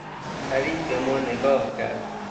پری به ما نگاه کرد.